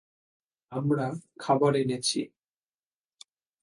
আমরা খাবার এনেছি।